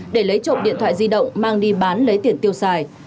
để lấy trộm điện thoại di động mang đi bán lấy tiền tiêu xài